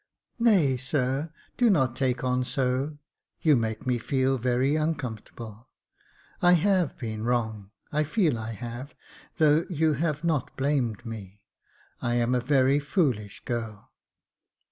"Nay, sir, do not take on so, you make me feel very 256 Jacob Faithful uncomfortable. I have been wrong — I feel I have — though you have not blamed me. I am a very foolish girl."